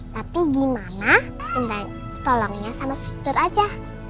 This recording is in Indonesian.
tapi gimana tolongnya sama suster aja